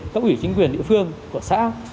các ủy chính quyền địa phương của xã